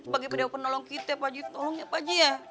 bagi pendapat nolong kita pak haji tolong ya pak haji ya